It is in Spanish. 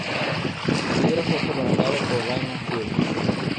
El libro fue prologado por Raymond Firth.